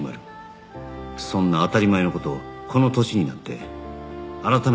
そんな当たり前の事をこの年になって改めて学んだ